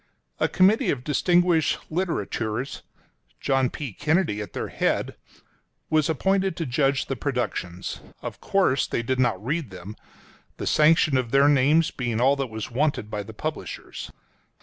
A committee of distinguished literateurs — John P. Kennedy at their head — was appointed to judge the productions. Of course they did not read them — the sanction of their names being all that was wanted by the publishers.